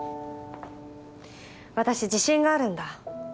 私自信があるんだ。